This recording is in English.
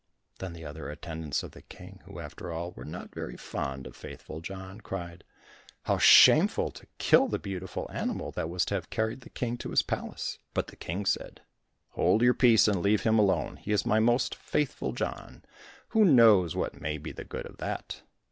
Then the other attendants of the King, who after all were not very fond of Faithful John, cried, "How shameful to kill the beautiful animal, that was to have carried the King to his palace." But the King said, "Hold your peace and leave him alone, he is my most faithful John, who knows what may be the good of that!"